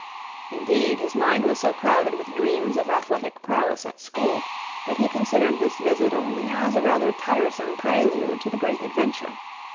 Indeed, his mind was so crowded with dreams of athletic prowess at school that he considered this visit only as a rather tiresome prelude to the great adventure.